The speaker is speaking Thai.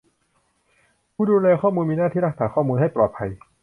ผู้ดูแลข้อมูลมีหน้าที่รักษาข้อมูลให้ปลอดภัย